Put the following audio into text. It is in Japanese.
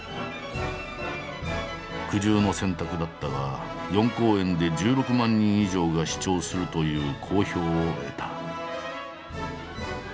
苦渋の選択だったが４公演で１６万人以上が視聴するという好評を得た。